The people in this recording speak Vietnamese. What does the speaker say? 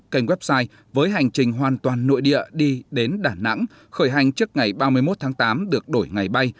kênh website với hành trình hoàn toàn nội địa đi đến đà nẵng khởi hành trước ngày ba mươi một tháng tám được đổi ngày bay